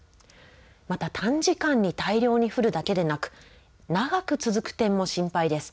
また、短時間に大量に降るだけでなく、長く続く点も心配です。